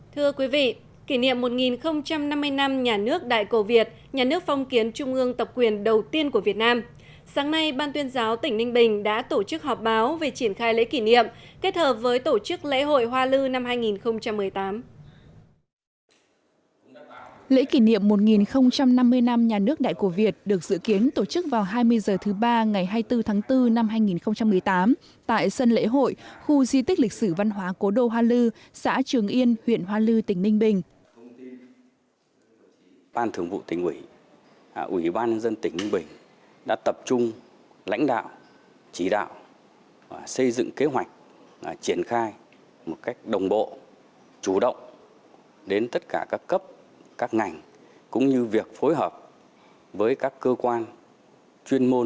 thưa quý vị kỷ niệm một nghìn năm mươi năm năm quý vị đã đạt được tổng số việc làm đạt trên năm mươi bốn triệu tăng một trăm năm mươi người so với quý bốn năm hai nghìn một mươi bảy